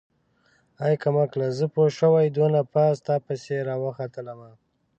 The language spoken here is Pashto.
ای کمقله زه پوشوې دونه پاس تاپسې راوختلمه.